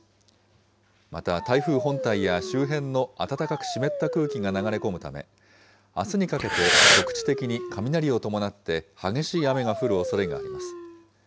また台風本体や周辺の暖かく湿った空気が流れ込むため、あすにかけて、局地的に雷を伴って激しい雨が降るおそれがあります。